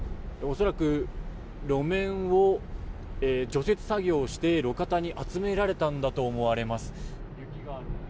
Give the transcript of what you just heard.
恐らく、路面を除雪作業して路肩に集められたんだと思われます。